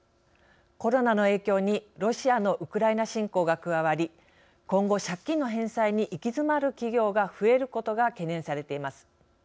コロナの影響にロシアのウクライナ侵攻が加わり今後、借金の返済に行き詰まる企業が増えることが懸念されています。